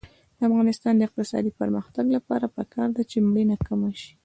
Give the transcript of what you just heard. د افغانستان د اقتصادي پرمختګ لپاره پکار ده چې مړینه کمه شي.